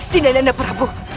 tidak dana prabu